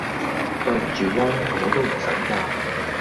對唔住囉！我都唔想架